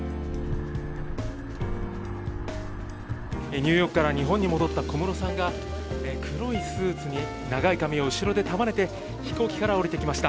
ニューヨークから日本に戻った小室さんが、黒いスーツに、長い髪を後ろで束ねて、飛行機から降りてきました。